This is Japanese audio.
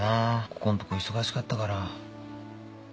ここんとこ忙しかったから。